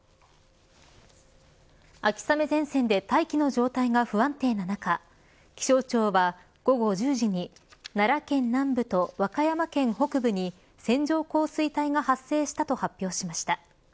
秋雨前線で大気の状態が不安定な中気象庁は、午後１０時に奈良県南部と和歌山県北部に線状降水帯が発生したと発表しました。